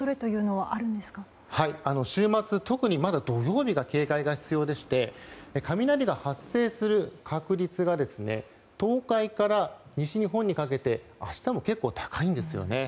はい、週末、特にまだ土曜日が警戒が必要でして雷が発生する確率が東海から西日本にかけて明日も結構高いんですよね。